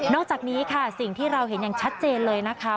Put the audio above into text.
อกจากนี้ค่ะสิ่งที่เราเห็นอย่างชัดเจนเลยนะคะ